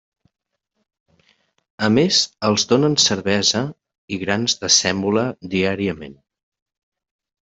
A més, els donen cervesa i grans de sèmola diàriament.